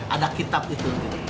ada kitab itu